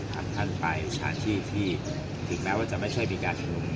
ท่านไปทางที่ถึงแม้ว่าจะไม่ใช่มีการชม